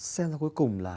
xem ra cuối cùng là